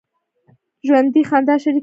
ژوندي خندا شریکه وي